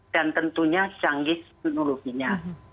dan tentunya janggis teknologinya